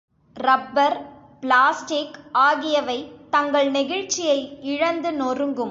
Rubber, plastic ஆகியவை தங்கள் நெகிழ்ச்சியை இழந்து நொறுங்கும்.